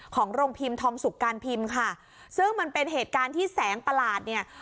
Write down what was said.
ของโรงพิมพ์ทองสุกการพิมพ์ค่ะซึ่งมันเป็นเหตุการณ์ที่แสงประหลาดเนี่ย